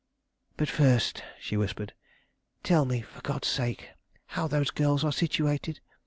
But first," she whispered, "tell me, for God's sake, how those girls are situated.